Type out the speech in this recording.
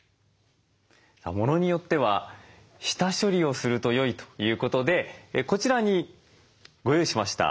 ものによっては下処理をするとよいということでこちらにご用意しました。